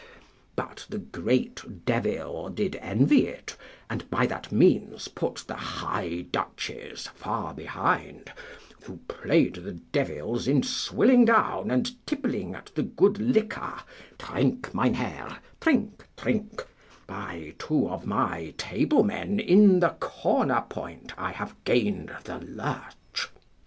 But the great devil did envy it, and by that means put the High Dutches far behind, who played the devils in swilling down and tippling at the good liquor, trink, mein herr, trink, trink, by two of my table men in the corner point I have gained the lurch.